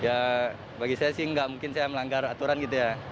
ya bagi saya sih nggak mungkin saya melanggar aturan gitu ya